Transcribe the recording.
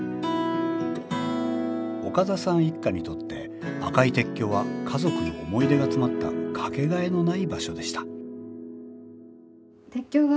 岡田さん一家にとって赤い鉄橋は家族の思い出が詰まった掛けがえのない場所でした